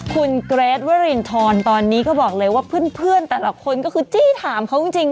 คุณเกรทวรินทรตอนนี้ก็บอกเลยว่าเพื่อนแต่ละคนก็คือจี้ถามเขาจริง